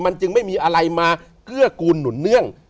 มันจึงไม่มีอะไรมาเกื้อกูลหนุนเนื่อง